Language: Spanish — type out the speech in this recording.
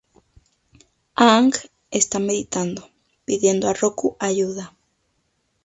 Aang está meditando, pidiendo a Roku ayuda.